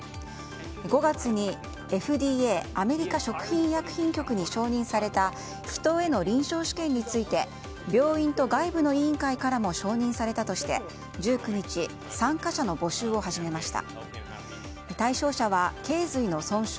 ５月にＦＤＡ・アメリカ食品医薬品局に承認された人への臨床試験について病院と外部の委員会からも承認されたとして１９日、参加者の募集を始めました。